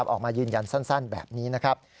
ออกมายืนยันสั้นแบบนี้นะครับ